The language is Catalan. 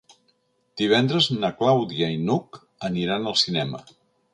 Divendres na Clàudia i n'Hug aniran al cinema.